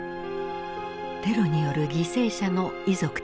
テロによる犠牲者の遺族たちだった。